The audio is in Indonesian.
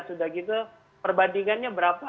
sudah gitu perbandingannya berapa